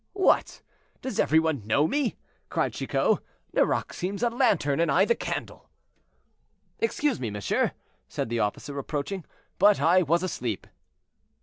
"What! does every one know me?" cried Chicot. "Nerac seems a lantern, and I the candle." "Excuse me, monsieur," said the officer, approaching, "but I was asleep."